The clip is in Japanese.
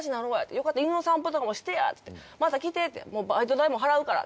「よかったら犬の散歩とかもしてや」って言って「また来て」って「バイト代も払うから」。